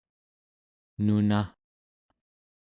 nuna